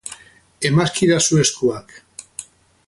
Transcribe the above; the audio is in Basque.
Emazkidazu eskuak.